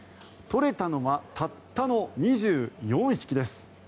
取れたのはたったの２４匹です。